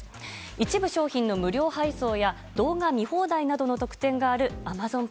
一部商品の無料配送や動画見放題などの特典があるアマゾン